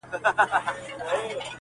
خر له باره ولوېدی، له گوزو ونه لوېدی.